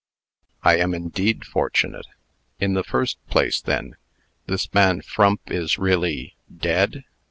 "I am indeed fortunate. In the first place, then this man Frump is really dead?"